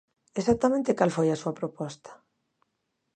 ¿Exactamente cal foi a súa proposta?